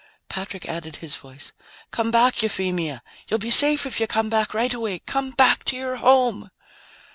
Patrick added his voice. "Come back, Euphemia. You'll be safe if you come back right away. Come back to your home."